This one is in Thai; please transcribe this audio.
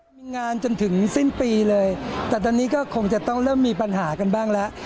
มีงานจนถึงสิ้นปีเลยแต่ตอนนี้ก็คงจะต้องเริ่มมีปัญหากันบ้างแล้ว